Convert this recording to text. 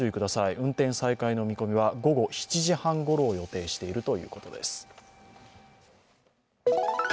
運転再開の見込みは午後７時半ごろを予定しているということです。